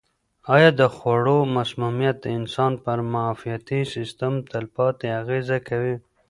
آیا د خوړو مسمومیت د انسان پر معافیتي سیستم تلپاتې اغېزه کوي؟